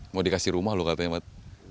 mau dikasih rumah loh katanya mat